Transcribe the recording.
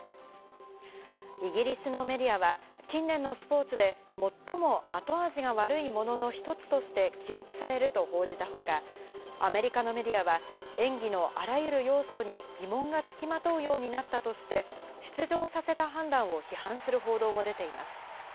イギリスのメディアは近年のスポーツで最も後味が悪いものの一つとして記憶されると報じたほか、アメリカのメディアは演技のあらゆる要素に疑問がつきまとうようになったとして、出場させた判断を批判する報道も出ています。